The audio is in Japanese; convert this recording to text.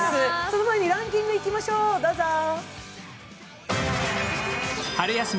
その前にランキングいきましょう、どうぞ。